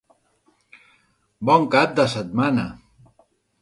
Bon cap de setmana!